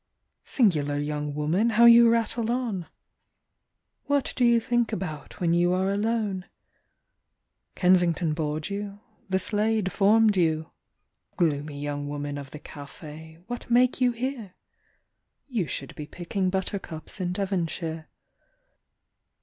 — Singular young woman, how you rattle on ! What do you think about when you are alone ? Kensington bored you, the Slade formed you. Gloomy young woman of the Cafe, what make you here ? You should be picking buttercups in Devonshire.